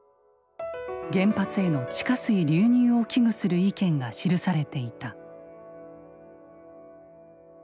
原発への地下水流入を危惧する意見が記されていた。